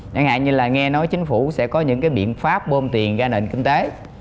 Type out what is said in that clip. đáng hại như là nghe nói chính phủ sẽ có những cái biện pháp bôm tiền ra nền kinh tế